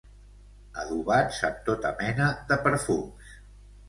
Adobats amb tota mena de perfums.